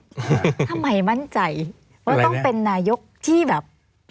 ทำไมมั่นใจว่าต้องเป็นนายกที่แบบ